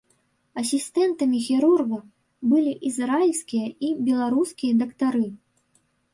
Асістэнтамі хірурга былі ізраільскія і беларускія дактары.